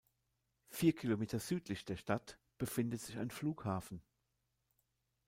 Vier Kilometer südlich der Stadt befindet sich ein Flughafen.